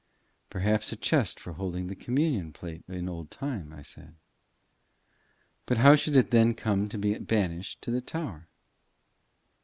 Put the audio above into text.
"Perhaps a chest for holding the communion plate in old time," I said. "But how should it then come to be banished to the tower?"